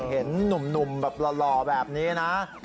เห็นหนุ่มแบบหล่อแบบนี้นะ